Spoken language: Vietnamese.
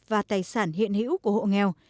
và tài sản hiện hữu của hộ nghèo